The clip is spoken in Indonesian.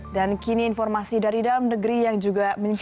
dan kini informasi dari dalam negeri yang juga menyebubkan